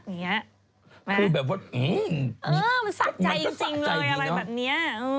พูดแบบว่าเอ้งมันก็สะใจดีเนอะเออมันสะใจจริงเลยอะไรแบบนี้